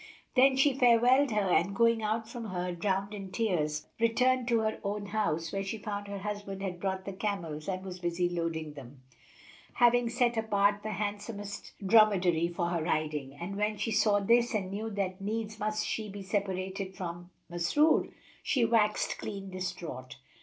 Then she farewelled her and going out from her, drowned in tears, returned to her own house, where she found her husband had brought the camels and was busy loading them, having set apart the handsomest dromedary for her riding, and when she saw this and knew that needs must she be separated from Masrur, she waxt clean distraught.